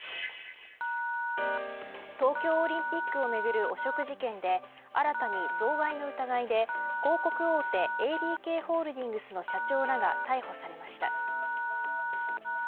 東京オリンピックをめぐる汚職事件で新たに贈賄の疑いで広告大手ＡＤＫホールディングスの社長らが逮捕されました。